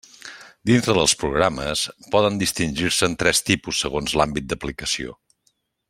Dintre dels programes, poden distingir-se'n tres tipus segons l'àmbit d'aplicació.